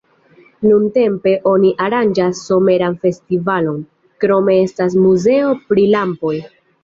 Nuntempe oni aranĝas someran festivalon, krome estas muzeo pri lampoj.